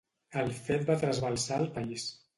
El fet va trasbalsar el país.